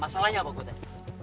masalahnya apa gue tadi